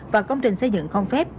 và công trình xây dựng không phép